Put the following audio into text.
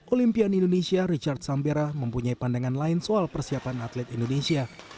olimpian indonesia richard sambera mempunyai pandangan lain soal persiapan atlet indonesia